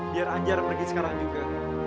biar anjar pergi sekarang juga